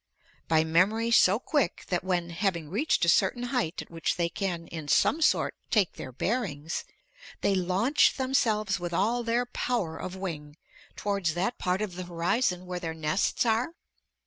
"By memory so quick that when, having reached a certain height at which they can in some sort take their bearings, they launch themselves with all their power of wing towards that part of the horizon where their nests are?